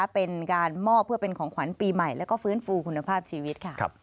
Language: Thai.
เป็นการมอบเพื่อเป็นของขวัญปีใหม่แล้วก็ฟื้นฟูคุณภาพชีวิตค่ะ